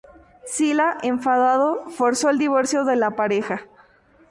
Sila, enfadado, forzó el divorcio de la pareja.